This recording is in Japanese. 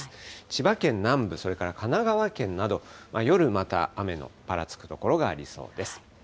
千葉県南部、それから神奈川県など、夜また雨のぱらつく所がありそうです。